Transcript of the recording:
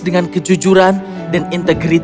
dengan kejujuran dan integritas